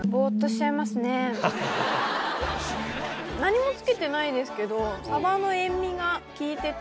何もつけてないですけどサバの塩味が効いてて。